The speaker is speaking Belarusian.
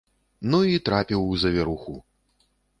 Ну і трапіў у завіруху!